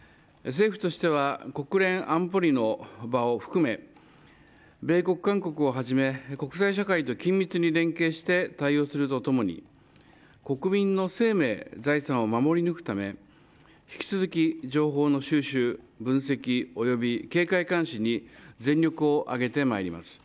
政府としては国連安保理の場を含め米国、韓国をはじめ国際社会と緊密に連携して対応するとともに国民の生命、財産を守り抜くため引き続き、情報の収集、分析及び警戒監視に全力を挙げてまいります。